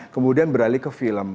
kemudian beralih ke film